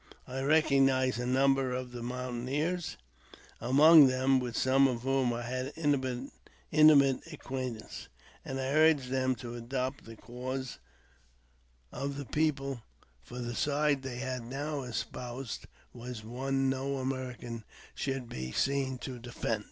I recognized a number of mountaineers among them, with some of whom I had intimate acquaintance, and I urged them to adopt the cause of the people, for the side they had now espoused was one no American should be seen to defend.